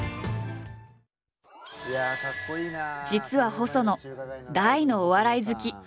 実は細野大のお笑い好き。